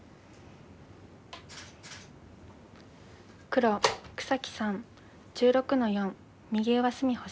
黒草木さん１６の四右上隅星。